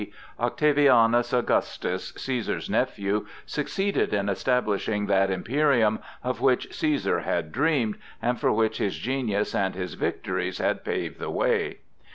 Octavianus Augustus, Cæsar's nephew, succeeded in establishing that imperium of which Cæsar had dreamed, and for which his genius and his victories had paved the way.